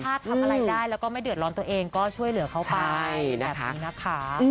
ถ้าทำอะไรได้แล้วก็ไม่เดือดร้อนตัวเองก็ช่วยเหลือเขาไปแบบนี้นะคะ